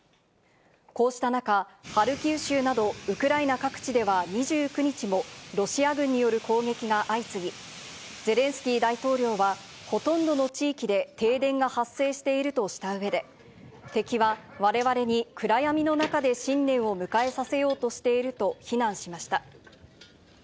こうした中、ハルキウ州などウクライナ各地では２９日もロシア軍による攻撃が相次ぎ、ゼレンスキー大統領は、ほとんどの地域で停電が発生しているとしたうえで、敵はわれわれに暗闇の中で新年を迎えさせようとしていると非難しました。